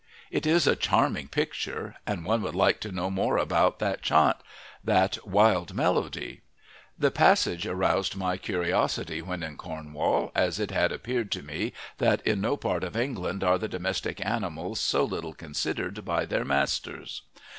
It is a charming picture, and one would like to know more about that "chaunt," that "wild melody." The passage aroused my curiosity when in Cornwall, as it had appeared to me that in no part of England are the domestic animals so little considered by their masters.